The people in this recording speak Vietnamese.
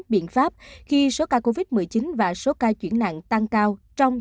biện pháp khi số ca covid một mươi chín và số ca chuyển nạn tăng cao